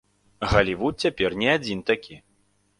Галівуд цяпер не адзін такі.